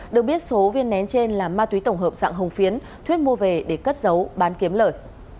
được biết số viên nén trên là ma túy tổng hợp dạng hồng phiến thuyết mua về để cất giấu bán kiếm lời